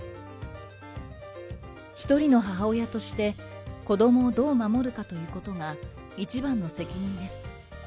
一人の母親として、子どもをどう守るかということが、一番の責任です。